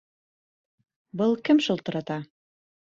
Был кем шылтырата?